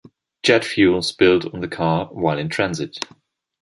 Jet fuel spilled on the car while in transit.